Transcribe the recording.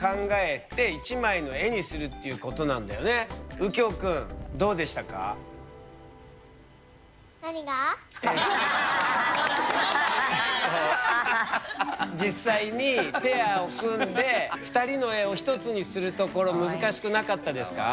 うきょうくんどうでしたか？実際にペアを組んで２人の絵を１つにするところ難しくなかったですか？